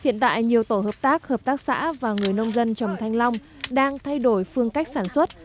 hiện tại nhiều tổ hợp tác hợp tác xã và người nông dân trồng thanh long đang thay đổi phương cách sản xuất